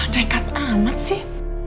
dekat amat sih